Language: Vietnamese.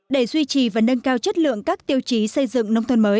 để duy trì và nâng cao chất lượng các tiêu chí xây dựng nông thôn mới